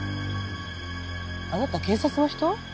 あなた警察の人？